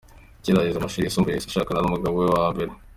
Akirangiza amashuri yisumbuye, yahise ashakana n’umugabo we wa mbere.